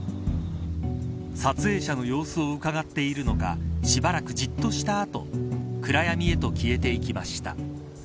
撮影者の様子を伺っているのかしばらくじっとした後暗闇へと消えていきました。